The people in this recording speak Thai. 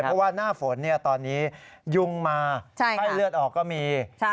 เพราะว่าหน้าฝนตอนนี้ยุงมาไข้เลือดออกก็มี